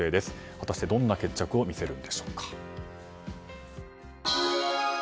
果たしてどんな決着を見せるんでしょうか。